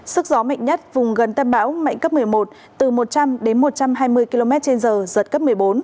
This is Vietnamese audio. sức gió mạnh nhất vùng gần tâm bão mạnh cấp một mươi một từ một trăm linh đến một trăm hai mươi km trên giờ giật cấp một mươi bốn